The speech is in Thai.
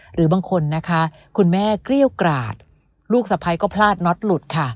หรือบางคนนะคะคุณแม่เกรี้ยวกราดลูกสะพ้ายก็พลาดน็อตหลุดค่ะ